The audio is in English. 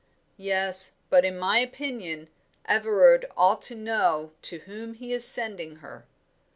"Yes, but in my opinion, Everard ought to know to whom he is sending her."